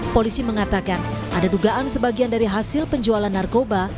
polisi mengatakan ada dugaan sebagian dari hasil penjualan narkoba